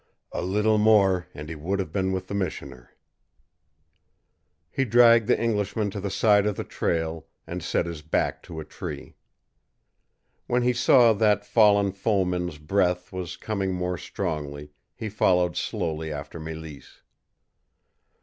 "A little more, and he would have been with the missioner!" He dragged the Englishman to the side of the trail, and set his back to a tree. When he saw that fallen foeman's breath was coming more strongly, he followed slowly after Mélisse.